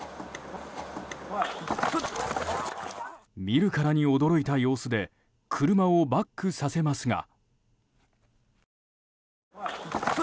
見るからに驚いた様子で車をバックさせますが。